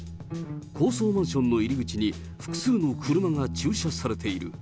高層マンションの入り口に複数の車が駐車されている。